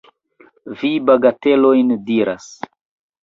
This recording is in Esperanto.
Vi bagatelojn diras.